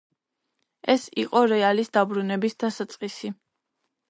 ეს იყო რეალის დაბრუნების დასაწყისი.